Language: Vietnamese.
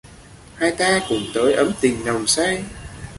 Hai ta cùng tới ấm tình nồng say!